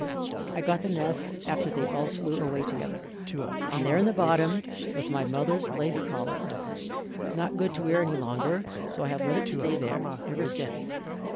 I got the nest after they all flew away together, and there in the bottom was my mother's lace collar, not good to wear any longer, so I have let it stay there ever since.